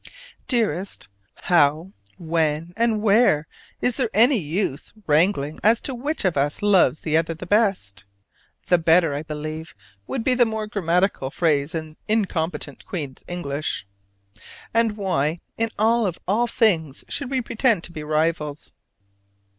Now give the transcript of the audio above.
Dearest: How, when, and where is there any use wrangling as to which of us loves the other the best ("the better," I believe, would be the more grammatical phrase in incompetent Queen's English), and why in that of all things should we pretend to be rivals?